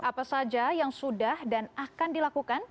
apa saja yang sudah dan akan dilakukan